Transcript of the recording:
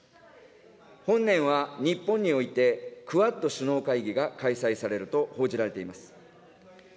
本年は、日本において、ＱＵＡＤ首脳会議が開催されると報じられています。